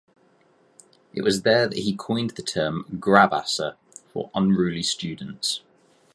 It was there that he coined the term "grabasser" for unruly students.